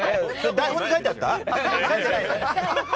台本に書いてあった？